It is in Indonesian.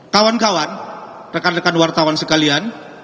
kawan kawan rekan rekan wartawan sekalian